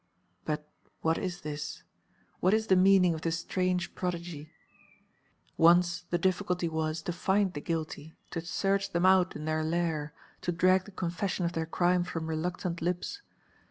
But what is this, what is the meaning of this strange prodigy? Once the difficulty was to find the guilty, to search them out in their lair, to drag the confession of their crime from reluctant lips.